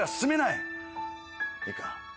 いいか？